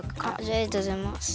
ありがとうございます。